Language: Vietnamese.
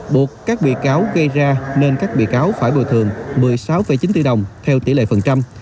buộc các bị cáo gây ra nên các bị cáo phải bồi thường một mươi sáu chín tỷ đồng theo tỷ lệ phần trăm